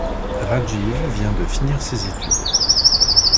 Rajiv vient de finir ses études.